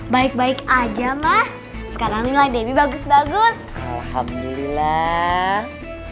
baik baik aja mah sekarang inilah debbie bagus bagus alhamdulillah